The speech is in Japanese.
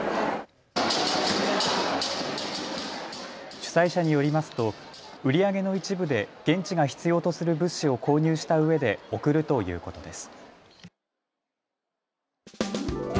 主催者によりますと売り上げの一部で現地が必要とする物資を購入したうえで送るということです。